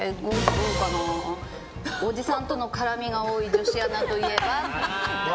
おじさんとの絡みが多い女子アナといえば？